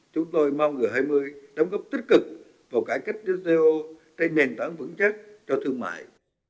chúng tôi mong g hai mươi đóng góp tích cực vào cải cách jto trên nền tảng vững chắc cho thương mại